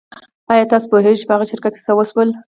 ایا تاسو پوهیږئ چې په هغه شرکت څه شول